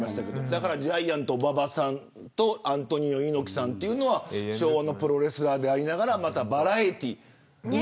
だから、ジャイアント馬場さんとアントニオ猪木さんというのは昭和のプロレスラーでありながらまたバラエティーにも。